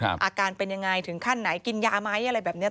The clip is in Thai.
อาการเป็นยังไงถึงขั้นไหนกินยาไหมอะไรแบบนี้